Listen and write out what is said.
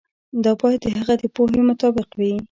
دا باید د هغه د پوهې مطابق وي.